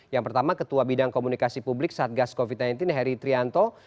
yang pertama ketua bidang komunikasi publik satgas covid sembilan belas heri trianto